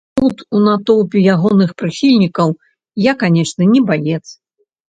Тут, у натоўпе ягоных прыхільнікаў, я, канечне, не баец.